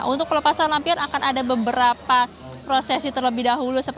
untuk pelepasan lampion akan ada beberapa prosesi terlebih dahulu